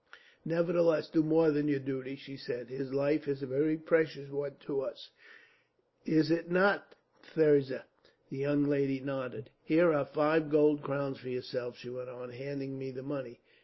"'Nevertheless, do more than your duty,' she said. 'His life is a very precious one to us. "'Is it not, Thirza?' "The young lady nodded. "'Here are five gold crowns for yourself,' she went on, handing me the money.